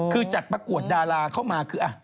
คือจัดประกวดดาราเข้ามาคือ